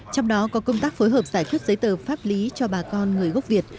trong đó có công tác phối hợp giải quyết giấy tờ pháp lý cho bà con người gốc việt